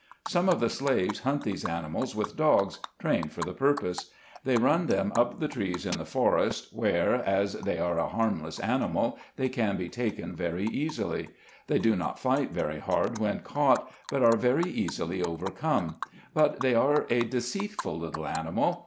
Some of the slaves hunt these animals with dogs, trained for the pur pose. They run them up the trees in the forest, where, as they are a harmless animal, they can be taken very easily. They do not fight very hard when caught, but are very easily overcome; but they are a deceitful little animal.